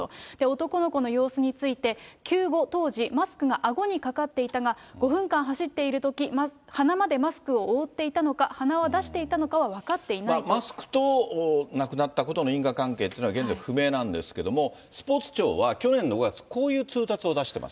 男の子の様子について、救護当時、マスクがあごにかかっていたが、５分間走っているとき、鼻までマスクを覆っていたのか、鼻は出していたのかは分かっていマスクと亡くなったことの因果関係というのは現在、不明なんですけれども、スポーツ庁は去年の５月、こういう通達を出しています。